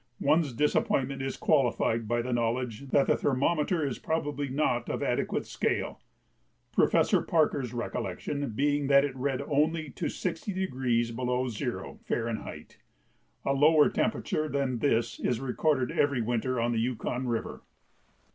One's disappointment is qualified by the knowledge that the thermometer is probably not of adequate scale, Professor Parker's recollection being that it read only to 60° below zero, F. A lower temperature than this is recorded every winter on the Yukon River.